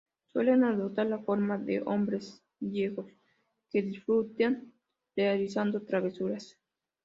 Suelen adoptar la forma de hombres viejos que disfrutan realizando travesuras.